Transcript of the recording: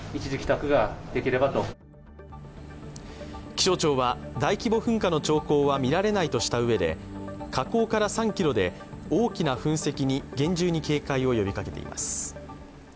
気象庁は大規模噴火の兆候はみられないとしたうえで火口から３ｋｍで大きな噴石に厳重に警戒を呼びかけています。